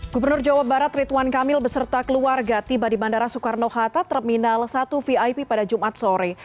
gubernur jawa barat rituan kamil beserta keluarga tiba di bandara soekarno hatta terminal satu vip pada jumat sore